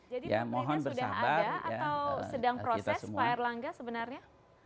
jadi pak erlangga sudah ada atau sedang proses pak erlangga sebenarnya